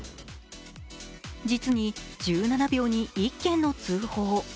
実に１７秒に１件の通報。